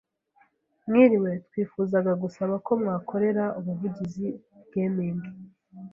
Mwiriwe twifuzaga gusaba ko mwakorera ubuvugizi gaming